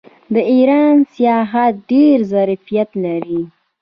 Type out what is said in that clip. د ایران سیاحت ډیر ظرفیت لري.